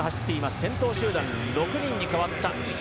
先頭集団６人に変わった。